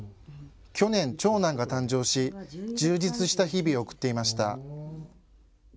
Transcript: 去年、長男が誕生し充実した日々を送っていました。